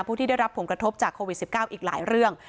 ที่ได้รับผลกระทบจากโควิด๑๙อีกหลายเรื่อง